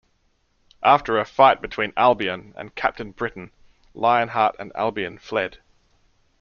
After a fight between Albion and Captain Britain, Lionheart and Albion fled.